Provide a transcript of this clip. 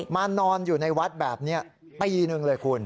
นอนอยู่ในวัดแบบนี้ปีหนึ่งเลยคุณ